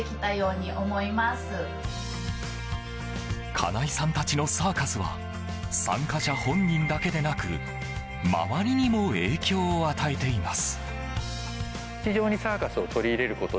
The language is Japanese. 金井さんたちのサーカスは参加者本人だけでなく周りにも影響を与えています。